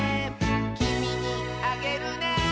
「きみにあげるね」